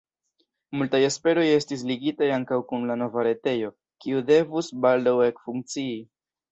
Multaj esperoj estis ligitaj ankaŭ kun la nova retejo, kiu devus “baldaŭ” ekfunkcii.